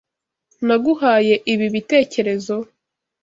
Naguhaye ibi bitekerezo?